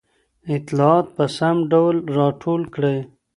اطلاعات په سم ډول راټول کړئ.